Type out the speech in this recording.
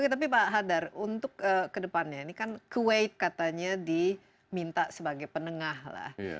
tapi pak hadar untuk kedepannya ini kan kuwait katanya diminta sebagai penengah lah